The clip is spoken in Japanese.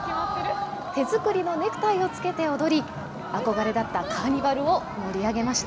手作りのネクタイを着けて踊り憧れだったカーニバルを盛り上げました。